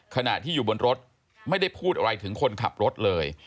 ขณะที่อยู่บนรถไม่ได้พูดอะไรถึงคนขับรถเลย